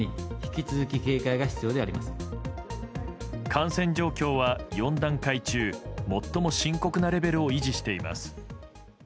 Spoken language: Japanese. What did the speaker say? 感染状況は４段階中最も深刻なレベルを維持しています。